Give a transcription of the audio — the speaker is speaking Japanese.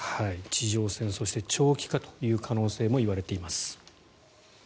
地上戦、そして長期化という可能性も言われています。